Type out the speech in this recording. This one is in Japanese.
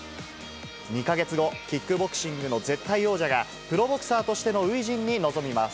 ２か月後、キックボクシングの絶対王者が、プロボクサーとしての初陣に臨みます。